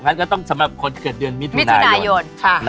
ก็ต้องสำหรับคนเกิดเดือนมิถุนายน